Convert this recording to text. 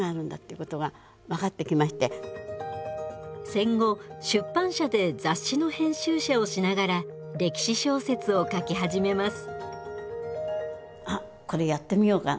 戦後出版社で雑誌の編集者をしながら歴史小説を書き始めます。